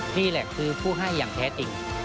นี่แหละคือผู้ให้อย่างแท้จริง